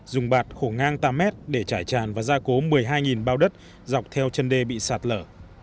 dùng bạt khổ ngang tám mét để trải tràn và gia cố một mươi hai bao đất dọc theo chân đê bị sạt lở